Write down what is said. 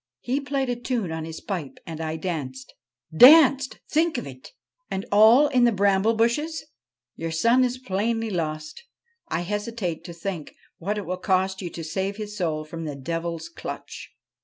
He played a tune on his pipe and I danced danced ! think of it ! And all in the bramble bushes I Your son is plainly lost ; I hesitate to think what it will cost you to save his soul from the devil's clutch.'